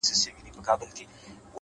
د زاړه کور چت د باران هر موسم پیژني؛